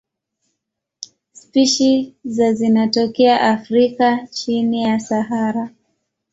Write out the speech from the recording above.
Spishi za zinatokea Afrika chini ya Sahara.